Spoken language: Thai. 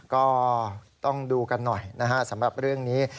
ก็ต้องดูกันหน่อยนะฮะสำหรับเรื่องนี้